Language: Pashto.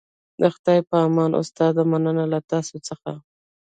د خدای په امان استاده مننه له تاسو څخه